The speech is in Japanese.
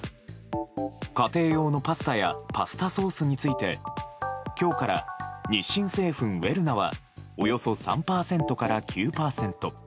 家庭用のパスタやパスタソースについて今日から日清製粉ウェルナはおよそ３％から９％